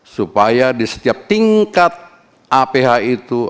supaya di setiap tingkat aph itu